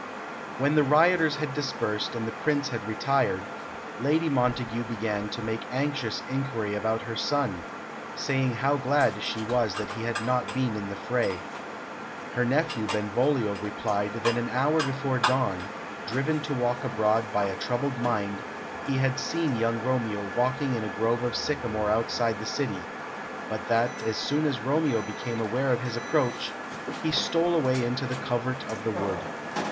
When the rioters had dispersed and the Prince had retired, Lady Montague began to make anxious inquiry about her son, saying how glad she was he had not been in the fray. Her nephew Benvolio replied that an hour before dawn, driven to walk abroad by a troubled mind, he had seen young Romeo walking in a grove of sycamore outside the city, but that, as soon as Romeo became aware of his approach, he stole away into the covert of the wood.